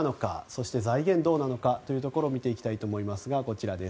そして、財源はどうなのか見ていきたいと思います。